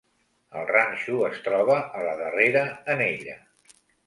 El ranxo es troba a la darrera anella.